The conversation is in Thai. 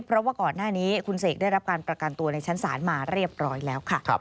เพราะว่าก่อนหน้านี้คุณเสกได้รับการประกันตัวในชั้นศาลมาเรียบร้อยแล้วค่ะ